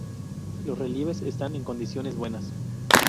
Los relieves están en condiciones buenas.